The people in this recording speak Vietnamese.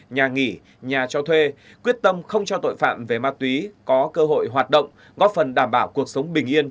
nhà nghỉ nhà cho thuê quyết tâm không cho tội phạm về ma túy có cơ hội hoạt động góp phần đảm bảo cuộc sống bình yên